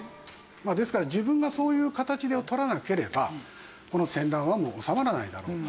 まあですから自分がそういう形をとらなければこの戦乱はもう治まらないだろうと。